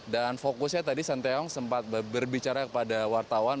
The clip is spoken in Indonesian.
dan fokusnya tadi shin taeyong sempat berbicara kepada wartawan